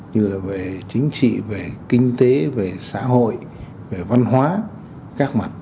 như là về chính trị về kinh tế về xã hội về văn hóa các mặt